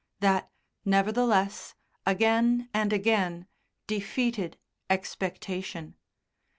that, nevertheless, again and again defeated expectation.